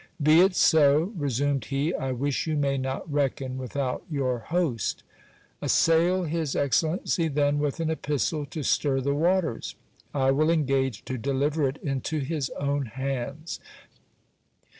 Be it so, resumed he ; I wish you may not reckon without your host Assail his excel lency then with an epistle to stir the waters. I will engage to deliver it into his o vn hands.